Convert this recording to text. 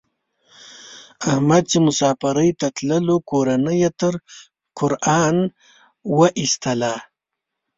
احمد چې مسافرۍ ته تللو کورنۍ یې تر قران و ایستلا.